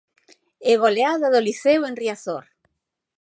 E goleada do Liceo en Riazor.